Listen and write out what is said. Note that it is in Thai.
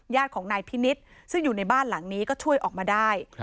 ญาติของนายพินิษฐ์ซึ่งอยู่ในบ้านหลังนี้ก็ช่วยออกมาได้